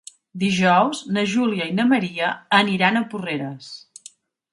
Dijous na Júlia i na Maria aniran a Porreres.